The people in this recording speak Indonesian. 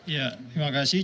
ya terima kasih